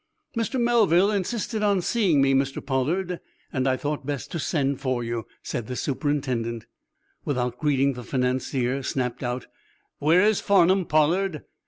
"Mr. Melville insisted on seeing me, Mr. Pollard, and I thought best to send for you," said the superintendent. Without greeting the financier snapped out: "Where is Farnum, Pollard?"